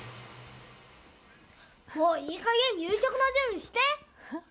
もういいかげん、夕食の準備して！